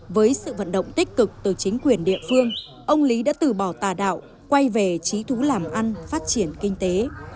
với sự vận động tích cực từ chính quyền địa phương ông lý đã từ bỏ tà đạo quay về trí thú làm ăn phát triển kinh tế